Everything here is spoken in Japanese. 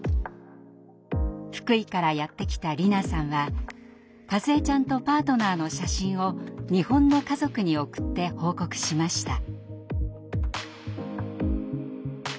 福井からやって来た里奈さんはかずえちゃんとパートナーの写真を日本の家族に送って報告しました。